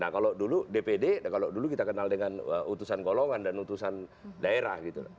nah kalau dulu dpd kalau dulu kita kenal dengan utusan golongan dan utusan daerah gitu